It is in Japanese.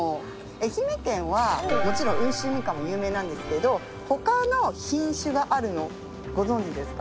愛媛県はもちろん温州みかんも有名なんですけど他の品種があるのをご存じですか？